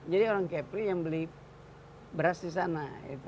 jadi orang kepri yang beli beras di sana